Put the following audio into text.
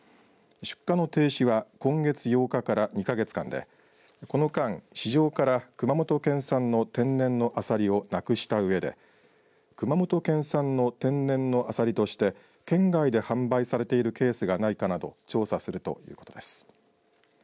出荷の停止は今月８日から２か月間でこの間、市場から熊本県産の天然のアサリをなくしたうえで熊本県産の天然のアサリとして県外で販売されているケースがないかなど調査するということです。